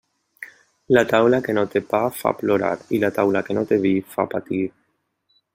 La taula que no té pa fa plorar, i la taula que no té vi fa patir.